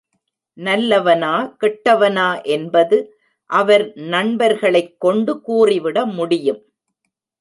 நல்லவனா கெட்டவனா என்பது அவர் நண்பர்களைக் கொண்டு கூறிவிட முடியும்.